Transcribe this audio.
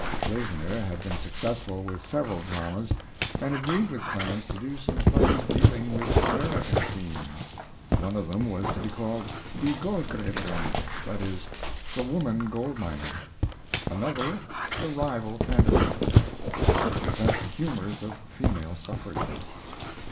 Schlesinger had been successful with several dramas, and agreed with Clemens to do some plays dealing with American themes. One of them was to be called "Die Goldgraeberin," that is, "The Woman Gold Miner." Another, "The Rival Candidates," was to present the humors of female suffrage.